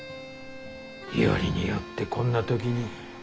よりによってこんな時に。